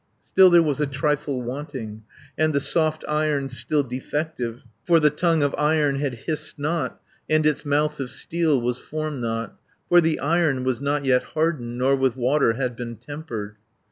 200 Still there was a trifle wanting, And the soft Iron still defective, For the tongue of Iron had hissed not, And its mouth of steel was formed not, For the Iron was not yet hardened, Nor with water had been tempered.